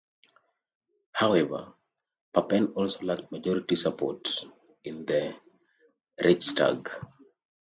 However, Papen also lacked majority support in the Reichstag.